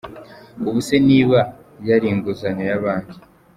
Ubu se niba yari inguzanyo ya Banki ?.